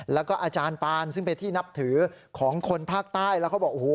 แล้วก็อาจารย์ปานซึ่งเป็นที่นับถือของคนภาคใต้แล้วเขาบอกโอ้โห